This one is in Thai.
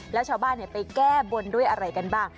แล้วชาวบ้านไปแก้บนด้วยอะไรกันบ้าง